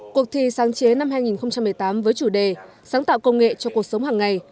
cuộc thi sáng chế năm hai nghìn một mươi tám với chủ đề sáng tạo công nghệ cho cuộc sống hàng ngày